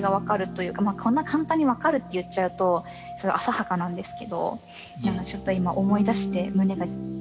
こんな簡単に「分かる」って言っちゃうとすごい浅はかなんですけどちょっと今思い出して胸が。